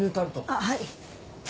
あっはい。